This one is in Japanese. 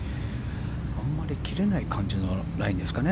あまり切れない感じのラインですかね。